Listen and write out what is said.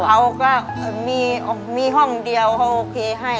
เอาก็มีห้องเดียวเขาโอเคให้